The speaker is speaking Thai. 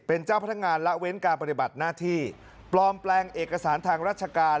เป็นเจ้าพนักงานละเว้นการปฏิบัติหน้าที่ปลอมแปลงเอกสารทางราชการ